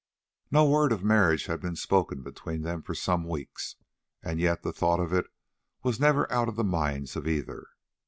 No word of marriage had been spoken between them for some weeks, and yet the thought of it was never out of the minds of either.